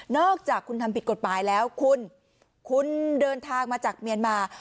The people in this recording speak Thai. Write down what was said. อกจากคุณทำผิดกฎหมายแล้วคุณคุณเดินทางมาจากเมียนมา